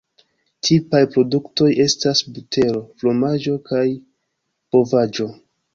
Tipaj produktoj estas butero, fromaĝo kaj bovaĵo.